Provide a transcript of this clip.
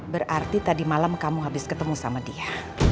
berarti tadi malam kamu habis ketemu sama dia